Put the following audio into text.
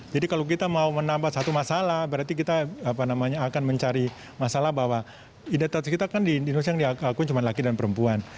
jadi kalau kita mau menambah satu masalah berarti kita akan mencari masalah bahwa identitas kita kan di indonesia yang diakui cuma laki dan perempuan